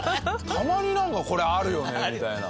「たまになんかこれあるよね」みたいな。